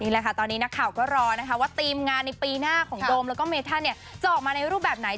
แหละค่ะตอนนี้นักข่าวก็รอนะคะว่าทีมงานในปีหน้าของโดมแล้วก็เมธันจะออกมาในรูปแบบไหน